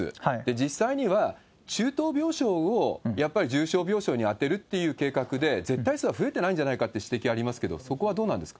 実際には中等病床を、やっぱり重症病床に当てるという計画で絶対数は増えてないんじゃないかという指摘ありますけど、そこはどうなんですか。